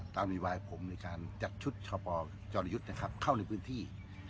ตอนนี้วัยผมจัดชุดชาวปอร์จรยุทธ์เข้าในพื้นที่